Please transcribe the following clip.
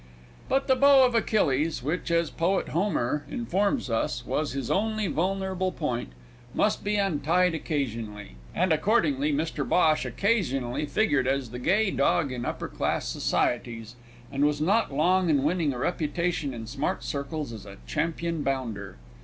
But the bow of Achilles (which, as Poet Homer informs us, was his only vulnerable point) must be untied occasionally, and accordingly Mr Bhosh occasionally figured as the gay dog in upper class societies, and was not long in winning a reputation in smart circles as a champion bounder.